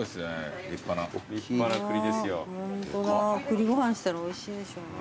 栗ご飯にしたらおいしいでしょうね。